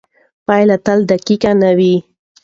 پایله تل دقیقه نه وي.